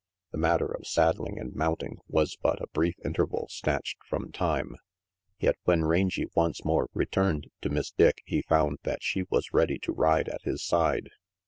The matter of saddling and mounting was but a brief interval snatched from time, yet when Rangy once more returned to Miss Dick he found that she was ready to ride at his side.